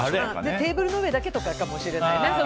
テーブルの上だけとかかもしれないね。